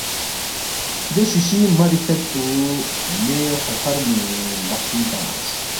دے شُوشُوی ماری فید پو مے خرخرموے لقپنِگ تنگس